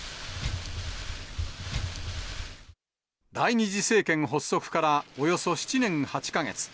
第２次政権発足からおよそ７年８か月。